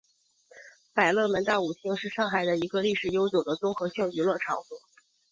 百乐门大舞厅是上海的一个历史悠久的综合性娱乐场所。